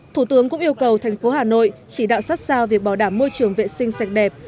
thủ tướng cũng yêu cầu thành phố hà nội chỉ đạo sát sao việc bảo đảm môi trường vệ sinh sạch đẹp